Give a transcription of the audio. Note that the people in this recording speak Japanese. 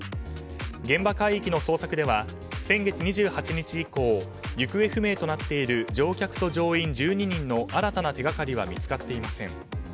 現場海域の捜索では先月２８日以降行方不明となっている乗客と乗員１２名の新たな手がかりは見つかっていません。